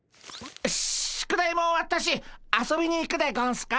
宿題も終わったし遊びに行くでゴンスか。